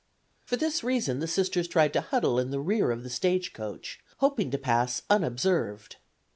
For this reason the Sisters tried to huddle in the rear of the stage coach, hoping to pass unobserved.